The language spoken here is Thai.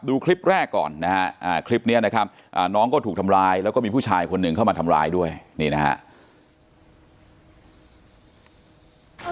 ดูคลิปแรกก่อนนะฮะคลิปนี้นะครับน้องก็ถูกทำร้ายแล้วก็มีผู้ชายคนหนึ่งเข้ามาทำร้ายด้วยนี่นะครับ